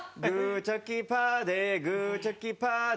「グーチョキパーでグーチョキパーで」